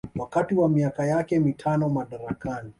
wakati wa miaka yake mitano madarakani